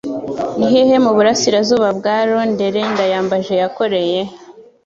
Nihehe mu burasirazuba bwa Londere Ndayambaje yakoreye?